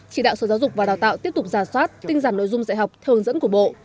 chỉ đạo sở giáo dục và đào tạo tiếp tục giả soát tinh giản nội dung dạy học theo hướng dẫn của bộ